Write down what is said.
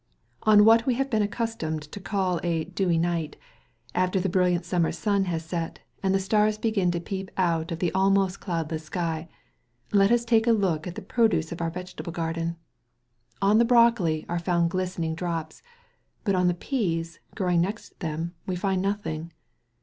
On what we have been accustomed to call a "dewy" night, after the brilliant summer sun has set, and the stars begin to peep out of the almost cloudless sky, let us take a look at the produce of our vegetable garden. On the broccoli are found glistening drops; but on the peas, growing next them, we find nothing.